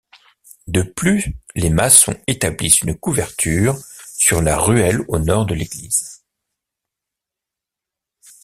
De plus les maçons établissent une couverture sur la ruelle au nord de l’église.